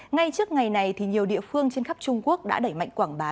ngay trước ngày này nhiều địa phương trên khắp trung quốc đã đẩy mạnh quảng bá